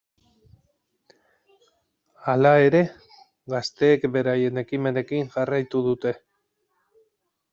Hala ere, gazteek beraien ekimenekin jarraitu dute.